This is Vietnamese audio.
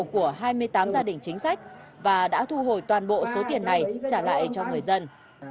của hai mươi tám gia đình chính sách và đã thu hồi toàn bộ số tiền này trả lại cho người dân